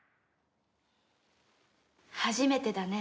初めてだね。